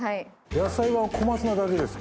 野菜は小松菜だけですか？